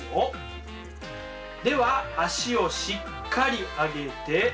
では足をしっかり上げて。